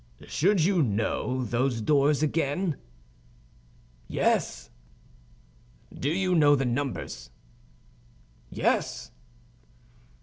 "Should you know those doors again?" "Yes." "Do you know the numbers?" "Yes."